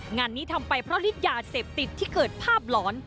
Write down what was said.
งานนี้ทำไปเพราะฤทธิยาเสพติดที่เกิดภาพหลอน